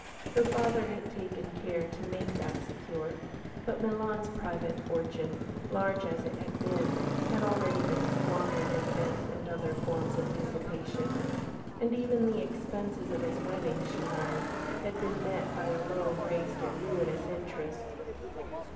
Her father had taken care to make that secure, but Milan's private fortune, large as it had been, had already been squandered in this and other forms of dissipation; and even the expenses of his wedding, she learned, had been met by a loan raised at ruinous interest.